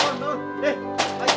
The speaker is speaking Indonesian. dan ada uang hebat